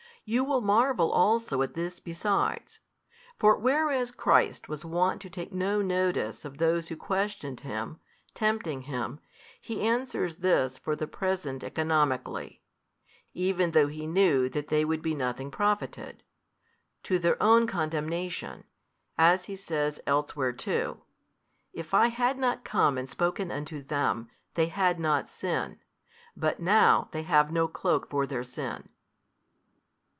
You will marvel also at this besides: for whereas Christ was wont to take no notice of those who questioned Him, tempting Him, He answers this for the present economically (even though He knew that they would be nothing profited) to their own condemnation, as He says elsewhere too, If I had not come and spoken unto them, they had not had sin; but now they have no cloke for their sin.